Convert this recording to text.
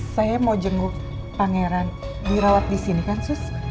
saya mau jenguk pangeran dirawat disini kan sus